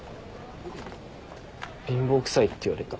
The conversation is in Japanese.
貧乏くさいって言われた。